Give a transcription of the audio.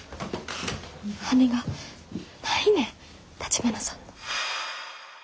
羽がないねん橘さんの。